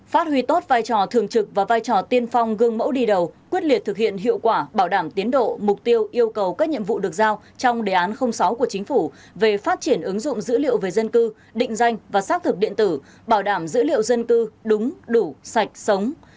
phát huy tốt vai trò thường trực và vai trò tiên phong gương mẫu đi đầu quyết liệt thực hiện hiệu quả bảo đảm tiến độ mục tiêu yêu cầu các nhiệm vụ được giao trong đề án sáu của chính phủ về phát triển ứng dụng dữ liệu về dân cư định danh và xác thực điện tử bảo đảm dữ liệu dân cư đúng đủ sạch sống